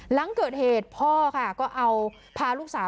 หลังเกิดเหตุพ่อค่ะก็เอาพาลูกสาว